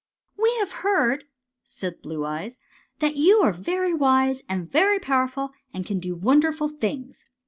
" We have heard," said Blue Eyes, '' that you are very wise and very powerful, and can do wonderful things.